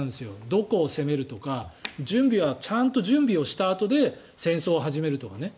どこを攻めるとか準備はちゃんと準備をしたあとで戦争を始めるとかね。